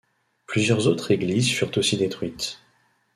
Plusieurs autres églises furent aussi détruites.